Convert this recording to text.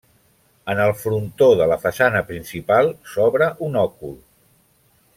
En el frontó de la façana principal s'obre un òcul.